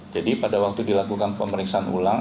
jadi pada waktu dilakukan pemeriksaan ulang